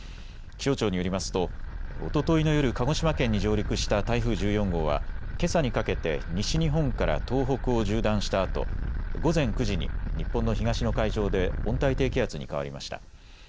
気象庁によりますとおとといの夜、鹿児島県に上陸した台風１４号はけさにかけて西日本から東北を縦断したあと午前９時に日本の東の海上で温帯低気圧に変わりました。